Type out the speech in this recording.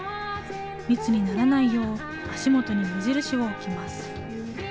密にならないよう、足元に目印を置きます。